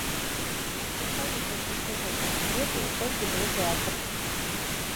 Я памятаю ўсё гэта, ведаю, колькі дае тэатр.